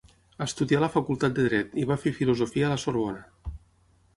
Estudià a la facultat de dret, i va fer filosofia a la Sorbona.